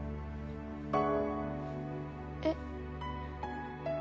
えっ？